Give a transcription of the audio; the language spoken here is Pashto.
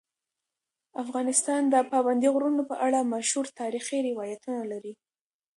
افغانستان د پابندي غرونو په اړه مشهور تاریخی روایتونه لري.